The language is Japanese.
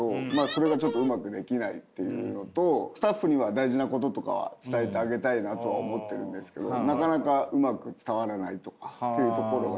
それがちょっとうまくできないっていうのとスタッフには大事なこととかは伝えてあげたいなとは思ってるんですけどなかなかうまく伝わらないとかっていうところが。